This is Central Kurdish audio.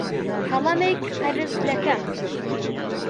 قەڵەمێک قەرز دەکەم.